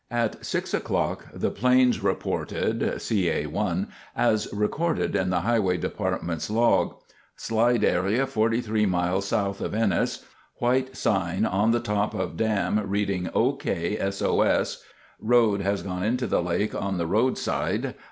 At 6 o'clock the planes reported (CA 1) as recorded in the Highway Department's log. "Slide area 43 mi. so. of Ennis. White sign on the top of dam reading OK SOS. Road has gone into the lake on the road side.